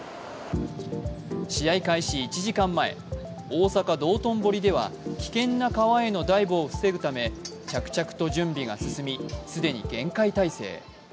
試合開始１時間前、大阪・道頓堀では危険な川へのダイブを防ぐため着々と準備が進め既に厳戒態勢。